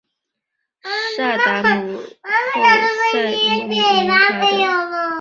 萨达姆侯赛因命令他的安全部队和军队实施了对该村的报复性攻击。